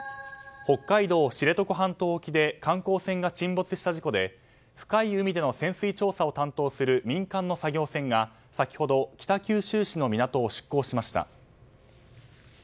北海道知床半島沖で観光船が沈没した事故で深い海での潜水調査を担当する民間の作業船が先ほど北九州市の港を出港しました。